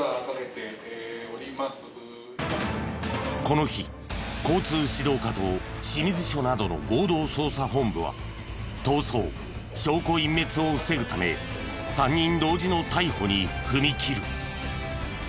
この日交通指導課と清水署などの合同捜査本部は逃走証拠隠滅を防ぐため３人同時の逮捕に踏み切る。